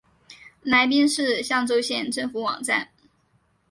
来宾市象州县政府网站